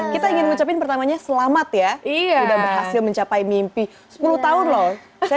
kita ingin ngucapin pertamanya selamat ya sudah berhasil mencapai mimpi sepuluh tahun loh